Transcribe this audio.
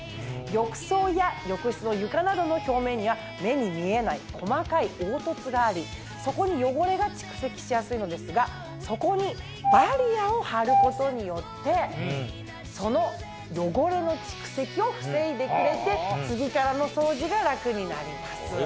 浴槽や浴室の床などの表面や目に見えない細かい凹凸がありそこに汚れが蓄積しやすいのですがそこにバリアを張ることによってその汚れの蓄積を防いでくれて次からの掃除が楽になります。